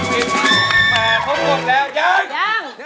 นี่คือความกล้าหาชายของเขา